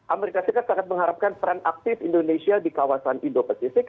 amerika serikat sangat mengharapkan peran aktif indonesia di kawasan indo pasifik